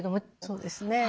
そうですね。